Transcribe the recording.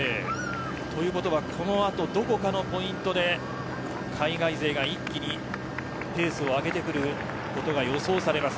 ということはこの後、どこかのポイントで海外勢が一気にペースを上げてくることが予想されます。